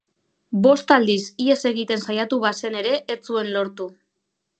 Bost aldiz ihes egiten saiatu bazen ere ez zuen lortu.